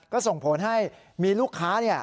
ก็ส่งผลให้มีลูกค้า